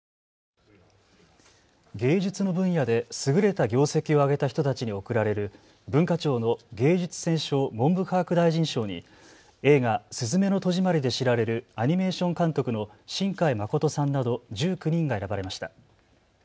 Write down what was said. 芸術の分野で優れた業績をあげた人たちに贈られる文化庁の芸術選奨文部科学大臣賞に映画、すずめの戸締まりで知られるアニメーション監督の新海誠さんなど１９人が選ばれました。